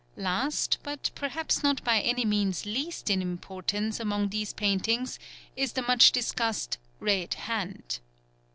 Last but perhaps not by any means least in importance among these paintings is the much discussed "red hand."